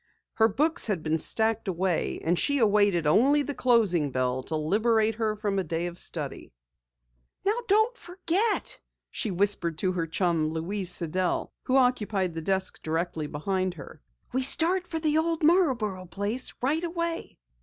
Her books had been stacked away, and she awaited only the closing bell to liberate her from a day of study. "Now don't forget!" she whispered to her chum, Louise Sidell, who occupied the desk directly behind. "We start for the old Marborough place right away!"